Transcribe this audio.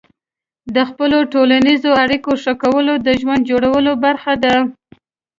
د خپلو ټولنیزو اړیکو ښه کول د ژوند جوړولو برخه ده.